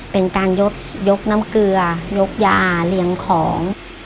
เป็นการยกน้ำเกลือยกยาเรียงของ